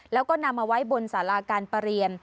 แล้วก็นำมาไว้บนสาราการประเรียน